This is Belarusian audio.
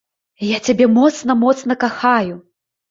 Я цябе моцна-моцна кахаю!